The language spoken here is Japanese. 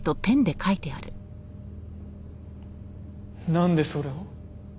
なんでそれを？